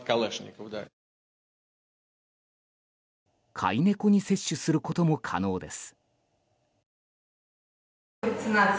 飼い猫に接種することも可能です。